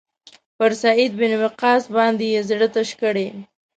پر سعد بن وقاص باندې یې زړه تش کړی.